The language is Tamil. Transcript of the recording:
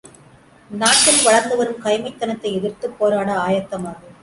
நாட்டில் வளர்ந்து வரும் கயமைத்தனத்தை எதிர்த்துப் போராட ஆயத்தமாகு!